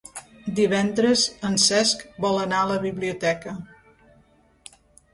Divendres en Cesc vol anar a la biblioteca.